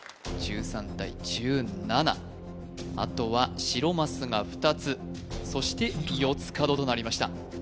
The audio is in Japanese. １３対１７あとは白マスが２つそして四つ角となりました